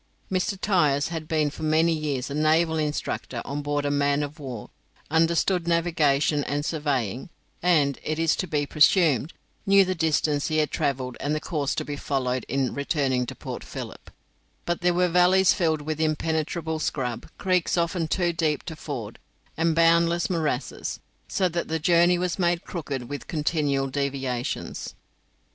Mr. Tyers had been for many years a naval instructor on board a man of war, understood navigation and surveying, and, it is to be presumed, knew the distance he had travelled and the course to be followed in returning to Port Philip; but there were valleys filled with impenetrable scrub, creeks often too deep to ford, and boundless morasses, so that the journey was made crooked with continual deviations.